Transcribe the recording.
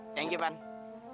thank you pane